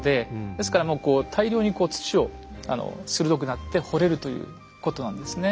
ですからもう大量にこう土を鋭くなって掘れるということなんですね。